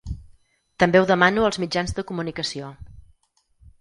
També ho demano als mitjans de comunicació.